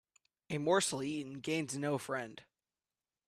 A morsel eaten gains no friend